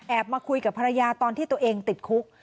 มาคุยกับภรรยาตอนที่ตัวเองติดคุก